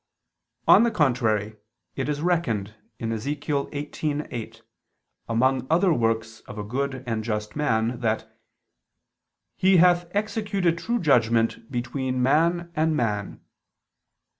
On the contrary, It is reckoned (Ezech. 18:8) among other works of a good and just man, that "he hath executed true judgment between man and man."